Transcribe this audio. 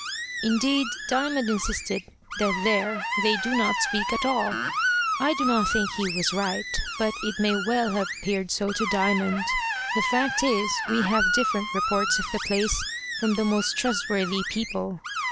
Indeed, Diamond insisted that there they do not speak at all. I do not think he was right, but it may well have appeared so to Diamond. The fact is, we have different reports of the place from the most trustworthy people.